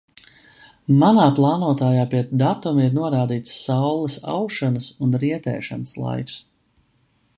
Manā plānotājā pie datuma ir norādīts saules aušanas un rietēšanas laiks.